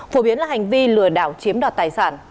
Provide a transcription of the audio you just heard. phổ biến là hành vi lừa đảo chiếm đoạt tài sản